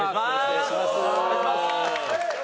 お願いします！